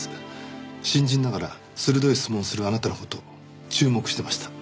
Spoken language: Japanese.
新人ながら鋭い質問をするあなたの事を注目してました。